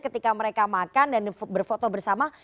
ketika mereka makan dan berfoto bersama